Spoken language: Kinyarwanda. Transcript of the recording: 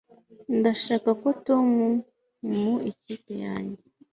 ndashaka ko tom mu ikipe yanjye